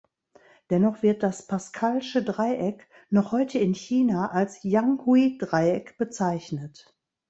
Dennoch wird das Pascalsche Dreieck noch heute in China als Yang-Hui-Dreieck bezeichnet.